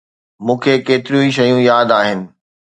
مون کي ڪيتريون ئي شيون ياد آهن.